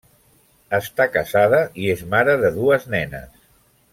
Està casada i és mare de dues nenes.